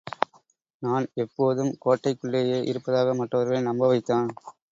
தான் எப்போதும் கோட்டைக்குள்ளேயே இருப்பதாக மற்றவர்களை நம்பவைத்தான்.